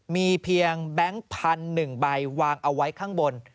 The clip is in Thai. มีเพียงแบงค์พันธุ์๑ใบวางเอาไว้ข้างบน